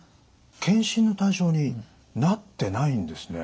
検診の対象になってないんですね。